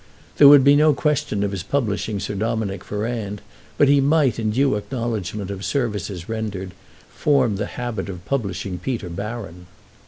There would be no question of his publishing Sir Dominick Ferrand, but he might, in due acknowledgment of services rendered, form the habit of publishing Peter Baron.